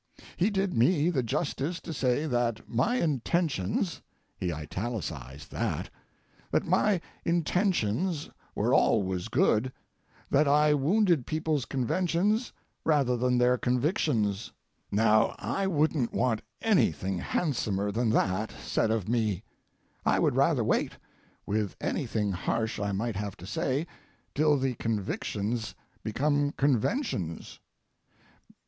He did me the justice to say that my intentions—he italicized that—that my intentions were always good, that I wounded people's conventions rather than their convictions. Now, I wouldn't want anything handsomer than that said of me. I would rather wait, with anything harsh I might have to say, till the convictions become conventions.